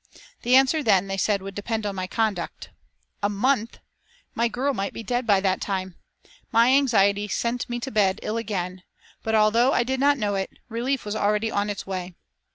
The answer then, they said, would depend on my conduct. A month! My girl might be dead by that time. My anxiety sent me to bed ill again, but, although I did not know it, relief was already on its way.